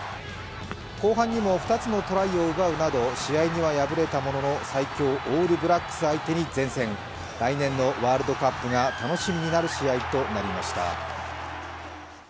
後半にも２つのトライを奪うなど、試合には敗れたものの最強、オールブラックス相手に善戦来年のワールドカップが楽しみになる試合となりました。